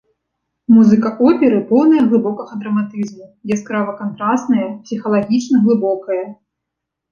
Музыка оперы поўная глыбокага драматызму, яскрава кантрасная, псіхалагічна глыбокая.